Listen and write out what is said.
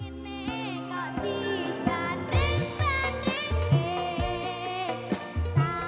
kekongkong ini kok di banding banding kee